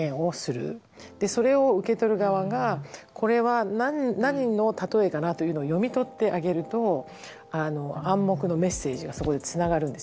それを受け取る側がこれは何の例えかなというのを読み取ってあげると暗黙のメッセージがそこでつながるんですよね。